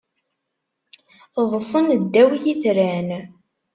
Ḍḍsen ddaw yitran.